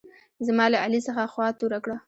زما له علي څخه خوا توره کړه.